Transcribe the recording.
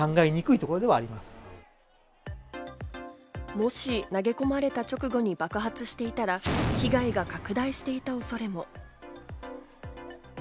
もし投げ込まれた直後に爆発していたら、被害が拡大していた恐れも。